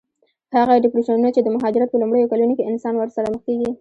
هغه ډېپریشنونه چې د مهاجرت په لومړیو کلونو کې انسان ورسره مخ کېږي.